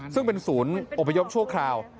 ซึ่งเป็นศูนย์อพยพชั่วคราว